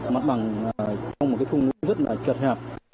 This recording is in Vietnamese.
mặt bằng trong một cái khung rất là chật hẹp